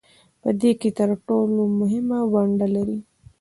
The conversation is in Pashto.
په دې کې تر ټولو مهمه ونډه لري